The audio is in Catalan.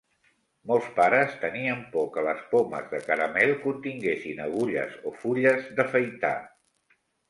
Molts pares tenien por que les pomes de caramel continguessin agulles o fulles d'afaitar.